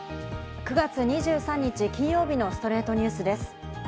９月２３日、金曜日の『ストレイトニュース』です。